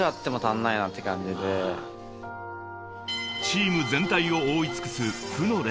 ［チーム全体を覆い尽くす］